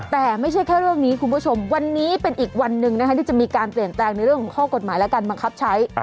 แต่ไม่ใช่แค่เรื่องนี้คุณผู้ชมวันนี้เป็นอีกวันหนึ่งนะคะที่จะมีการเปลี่ยนแปลงในเรื่องของข้อกฎหมายและการบังคับใช้